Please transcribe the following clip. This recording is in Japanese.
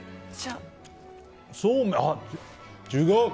そうめんあ、違う！